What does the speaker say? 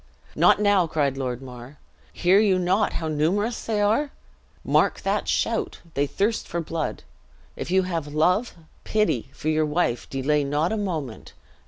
"Not now!" cried Lord Mar. "Hear you not how numerous they are? Mark that shout! they thirst for blood. If you have love, pity, for your wife, delay not a moment.